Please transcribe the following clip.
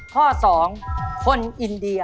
ข้อ๒คนอินเดีย